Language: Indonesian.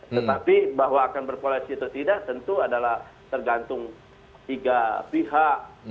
tetapi bahwa akan berkoalisi atau tidak tentu adalah tergantung tiga pihak